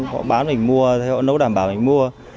họ bán mình mua họ nấu đảm bảo mình mua